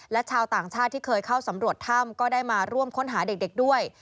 และชาวต่างชาติที่เคยเข้าสำรวจถ้ำก็ได้มาร่วมค้นหาเด็กด้วย